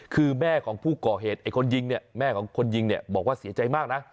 คือแม่ของผู้ก่อเหตุแม่ของคนยิงบอกว่าเสียใจมากนะ